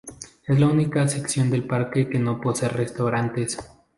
Es la única sección del parque que no posee restaurantes.